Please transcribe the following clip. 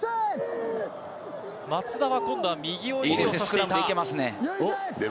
松田は今度、右を指さしています。